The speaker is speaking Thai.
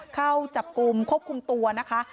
เข้าจับกลุ่มควบคุมตัวนะคะ